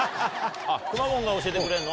くまモンが教えてくれるの？